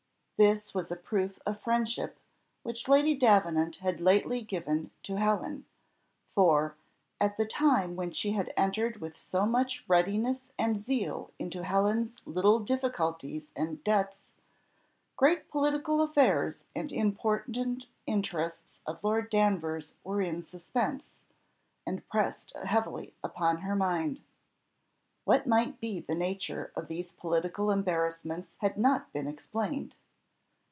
This was a proof of friendship, which Lady Davenant had lately given to Helen, for, at the time when she had entered with so much readiness and zeal into Helen's little difficulties and debts, great political affairs and important interests of Lord Davenant's were in suspense, and pressed heavily upon her mind. What might be the nature of these political embarrassments had not been explained.